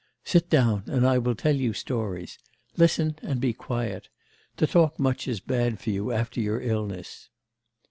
Sit down and I will tell you stories. Listen and be quiet. To talk much is bad for you after your illness.